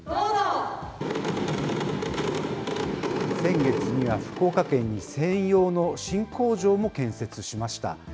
先月には福岡県に専用の新工場も建設しました。